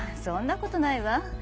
そんなことないわ。